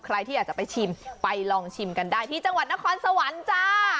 ใครที่อยากจะไปชิมไปลองชิมกันได้ที่จังหวัดนครสวรรค์จ้า